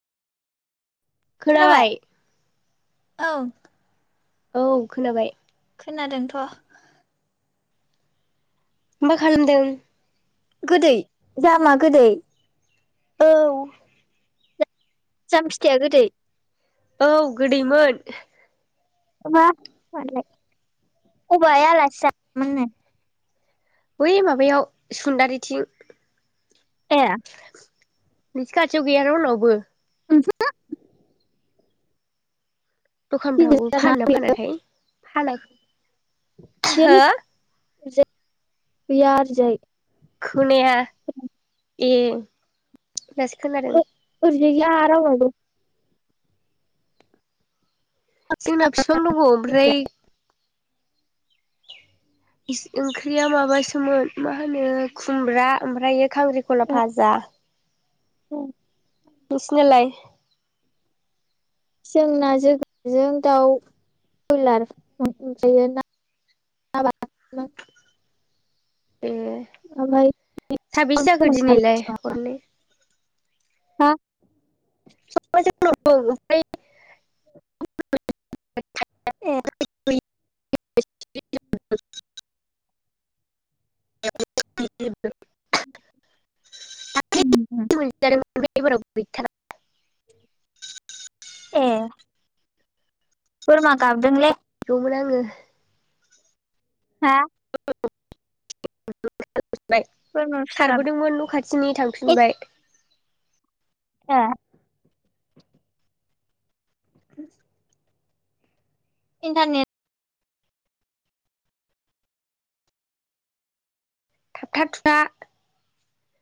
खोनाबाय औ औ खोनाबाय खोनादोंथ' मा खालामदों गोदै जामा गोदै औ जाम फिथाया गोदै? औ गोदैमोन। [unintelligible] अबेहाय आलासि जाहैदों मोननो? बै माबायाव सुन्दारिथिं ए नोंसिनि खाथियाव गैया रावनावबो उमहो गिदिर दखानफ्रावबो जाना फानोना फानाथाय फानो गैयालै ओरैजाय गैया ओरैजाय खोनाया ए दासो खोनादों। ओरैजाय गैया रावनावबो जोंना फिफां दङ ओमफ्राय ओंख्रिया माबासोमोन मा होनो खुमब्रा ओमफ्राय खांख्रिखला भाजा उम नोंसिनालाय जोंना जोगनारजों दाउ बयलार ओमफ्रायो ना बाथोनमोन ए ओमफ्राय साबिसे जाखो दंमोन आरो दिनैलाय बिफाङा हरनो? हा [inaudible] ए [inaudible] ओमफ्राय एबाराव गैथारा ए बोरमा गाबदोंलै। [unintelligible] होदोंमोन आङो हा [unintelligible] बोरमा फिसा गाब खारबोदोंमोन न' खा दिनै थांफिनबाय। ए [inaudible] इन्टारनेट [inaudible]